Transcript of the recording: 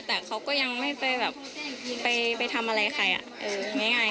แต่เขาก็ยังไม่ไปแบบไปทำอะไรใครง่าย